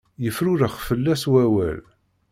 Yefrurex fell-as wawal.